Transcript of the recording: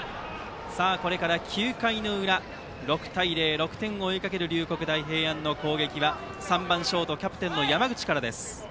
これから９回の裏、６対０６点を追いかける龍谷大平安の攻撃は３番のショートキャプテンの山口から。